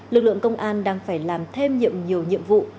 lực lượng công an đang phải làm thêm nhiệm nhiều nhiệm vụ